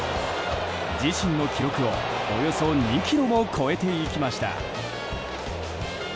自身の記録を、およそ２キロも超えていきました。